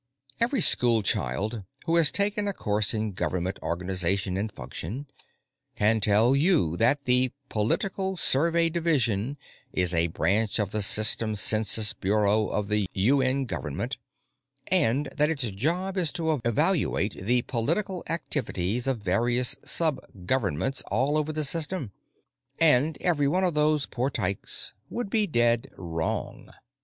Every schoolchild who has taken a course in Government Organization and Function can tell you that the Political Survey Division is a branch of the System Census Bureau of the UN Government, and that its job is to evaluate the political activities of various sub governments all over the System. And every one of those poor tykes would be dead wrong.